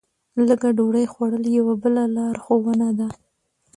لږه ډوډۍ خوړل یوه بله لارښوونه ده.